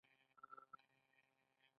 ریښتیا ویل انسان سرلوړی کوي